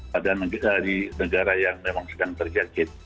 pada negara yang memang sekarang terjacit